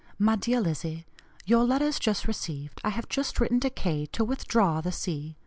"MY DEAR LIZZIE: Your letters just received. I have just written to K. to withdraw the C.